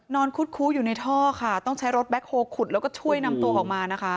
คุดคู้อยู่ในท่อค่ะต้องใช้รถแบ็คโฮลขุดแล้วก็ช่วยนำตัวออกมานะคะ